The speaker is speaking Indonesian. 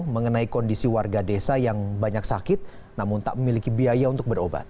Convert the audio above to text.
mengenai kondisi warga desa yang banyak sakit namun tak memiliki biaya untuk berobat